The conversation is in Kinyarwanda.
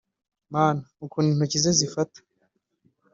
(mana! ukuntu intoki ze zifata!)